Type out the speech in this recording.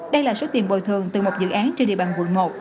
đây là số tiền bồi thường từ một dự án trên địa bàn quận một